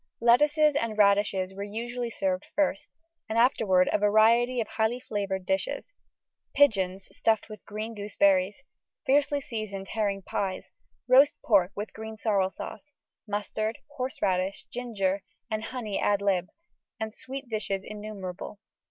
Lettuces and radishes were usually served first, and afterwards a variety of highly flavoured dishes. Pigeons stuffed with green gooseberries, fiercely seasoned herring pies, roast pork with green sorrel sauce mustard, horseradish, ginger, and honey ad lib, and sweet dishes innumerable.